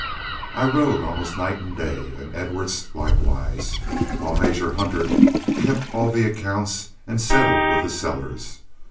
I rode almost night and day, and Edwards likewise, while Major Hunter kept all the accounts and settled with the sellers.